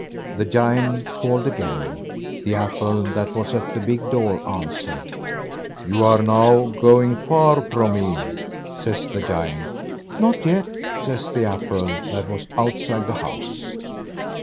The giant called again. The apple that was at the big door answered. "You are now going far from me," says the giant. "Not yet," says the apple that was outside the house.